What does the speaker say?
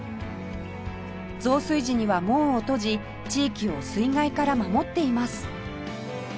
増水時には門を閉じ地域を水害から守っています